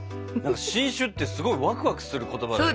新種ってすごいワクワクする言葉だよね。